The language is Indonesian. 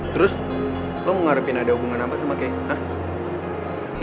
terus lo mau ngarepin ada hubungan apa sama kei